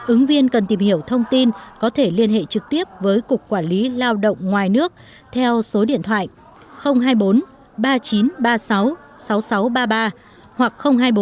ứng viên cần tìm hiểu thông tin có thể liên hệ trực tiếp với cục quản lý lao động ngoài nước theo số điện thoại hai mươi bốn ba nghìn chín trăm ba mươi sáu sáu nghìn sáu trăm ba mươi ba hoặc hai mươi bốn ba nghìn tám trăm hai mươi bốn chín nghìn năm trăm một mươi bảy